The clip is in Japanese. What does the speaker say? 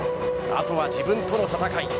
あとは自分との戦い。